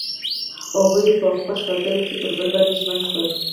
هغوی په خوښ غزل کې پر بل باندې ژمن شول.